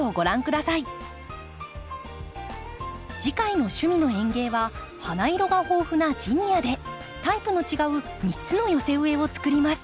次回の「趣味の園芸」は花色が豊富なジニアでタイプの違う３つの寄せ植えを作ります。